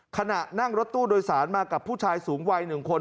ขณะนั่งรถตู้โดยสารมากับผู้ชายสูงวัย๑คน